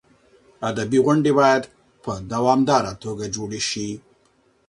ادبي غونډې باید په دوامداره توګه جوړې شي.